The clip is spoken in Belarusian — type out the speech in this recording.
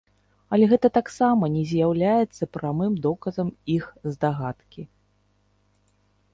Але гэта таксама не з'яўляецца прамым доказам іх здагадкі.